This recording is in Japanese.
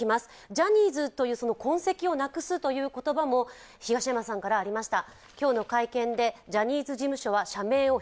ジャニーズという痕跡をなくすという言葉も東山さんからありました。